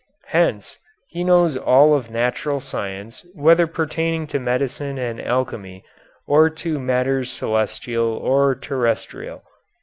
Hence, he knows all of natural science whether pertaining to medicine and alchemy, or to matters celestial or terrestrial.